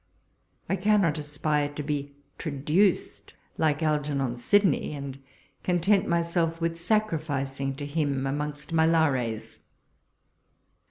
I cannot aspire to be traduced like Algernon Sydney, and content myself with sacrificing to him amongst my lares.